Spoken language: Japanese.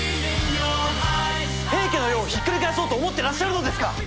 平家の世をひっくり返そうと思ってらっしゃるのですか！